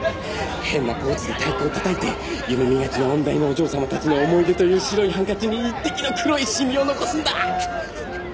変なポーズで太鼓をたたいて夢見がちな音大のお嬢さまたちの思い出という白いハンカチに１滴の黒い染みを残すんだ！